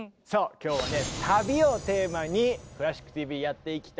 今日は「旅」をテーマに「クラシックＴＶ」やっていきたいと思っております。